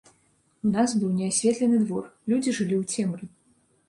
У нас быў неасветлены двор, людзі жылі ў цемры.